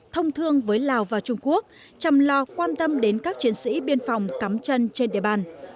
thông thương với lào và trung quốc chăm lo quan tâm đến các chiến sĩ biên phòng cắm chân trên địa bàn